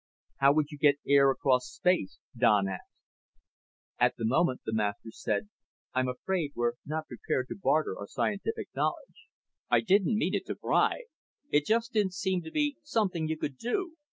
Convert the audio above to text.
"How would you get air across space?" Don asked. "At the moment," the Master said, "I'm afraid we're not prepared to barter our scientific knowledge." "I didn't mean to pry. It just didn't seem to be something you could do.